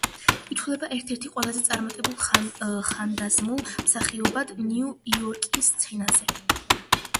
ითვლება ერთ-ერთი ყველაზე წარმატებულ ხანდაზმულ მსახიობად ნიუ-იორკის სცენაზე.